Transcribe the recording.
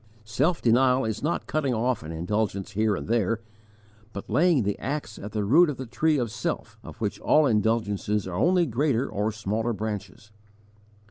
Self denial is not cutting off an indulgence here and there, but laying the axe at the root of the tree of self, of which all indulgences are only greater or smaller branches.